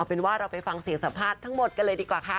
เป็นว่าเราไปฟังเสียงสัมภาษณ์ทั้งหมดกันเลยดีกว่าค่ะ